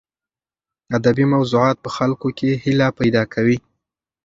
ادبي موضوعات په خلکو کې هیله پیدا کوي.